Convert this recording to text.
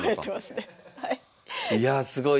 いやあすごい。